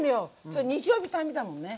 それ日曜日のたんびだもんね。